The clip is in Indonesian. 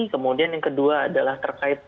kemudian yang kedua adalah terkait